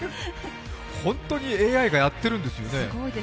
本当にＡＩがやってるんですよね。